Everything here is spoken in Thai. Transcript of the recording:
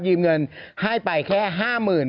ยิมเงินให้ไปแค่ห้าหมื่น